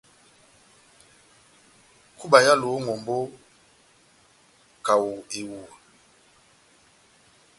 Kúba éhálovi ó ŋʼhombó kaho kaho ehuwa .